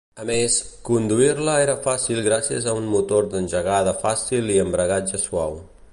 A més, conduir-la era fàcil gràcies a un motor d'engegada fàcil i embragatge suau.